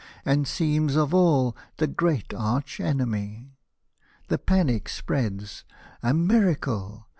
And seems of all the Great Arch enemy. The panic spreads —" A miracle